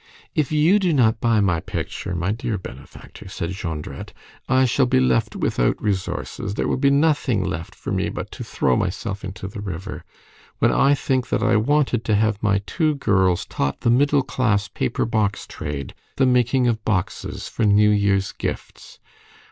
"If you do not buy my picture, my dear benefactor," said Jondrette, "I shall be left without resources; there will be nothing left for me but to throw myself into the river. When I think that I wanted to have my two girls taught the middle class paper box trade, the making of boxes for New Year's gifts!